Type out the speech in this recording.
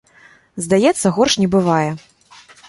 Здаецца, горш не бывае.